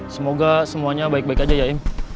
semoga semuanya baik baik aja ya im